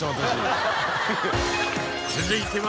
続いては。